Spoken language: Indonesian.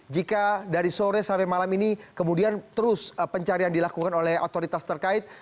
jika dari sore sampai malam ini kemudian terus pencarian dilakukan oleh otoritas terkait